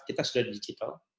kita sudah digital